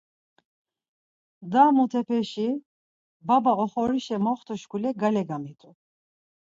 Da-mutepeşi baba oxorişa moxtuşkule gale gamit̆u.